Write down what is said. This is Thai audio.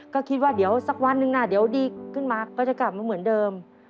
ก็คิดว่าเดี๋ยวสักวันหนึ่งนะเดี๋ยวดีขึ้นมาก็จะกลับมาเหมือนเดิม